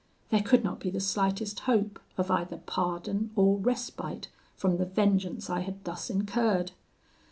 There could not be the slightest hope of either pardon or respite from the vengeance I had thus incurred.